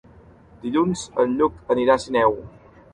Dilluns en Lluc anirà a Sineu.